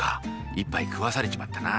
一杯食わされちまったな。